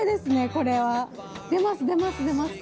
これは。出ます出ます出ます！